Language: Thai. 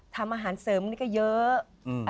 ทำอาหารเสริมนี่ก็เยอะ